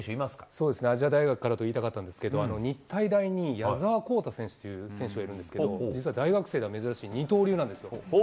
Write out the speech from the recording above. そうですね、亜細亜大学からと言いたかったんですけど、日体大に矢澤宏太という選手がいるんですけど、実は大学生では珍しい二刀流なんですよ。